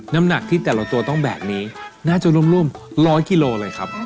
น้ำหนักที่แต่ละตัวต้องแบบนี้น่าจะร่วม๑๐๐กิโลเลยครับ